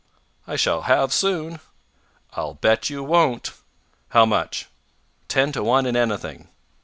"I shall have soon." "I'll bet you won't." "How much?" "Ten to one in anything."